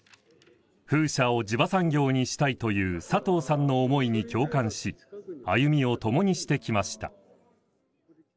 風車を地場産業にしたいという佐藤さんの思いに共感し歩みを共にしてきました。